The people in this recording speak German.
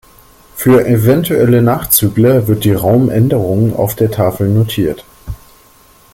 Für eventuelle Nachzügler wird die Raumänderung auf der Tafel notiert.